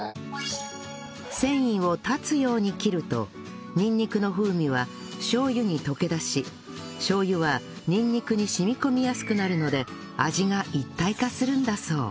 繊維を断つように切るとにんにくの風味はしょう油に溶け出ししょう油はにんにくに染み込みやすくなるので味が一体化するんだそう